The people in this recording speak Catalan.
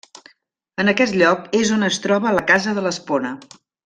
En aquest lloc és on es troba la Casa de l'Espona.